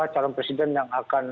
calon presiden yang akan